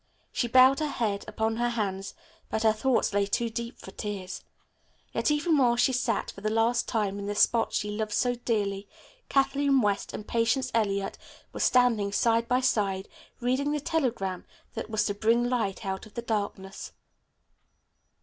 She bowed her head upon her hands, but her thoughts lay too deep for tears. Yet even while she sat for the last time in the spot she loved so dearly, Kathleen West and Patience Eliot were standing side by side reading the telegram that was to bring light out of darkness.